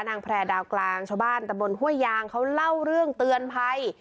แพร่ดาวกลางชาวบ้านตะบนห้วยยางเขาเล่าเรื่องเตือนภัย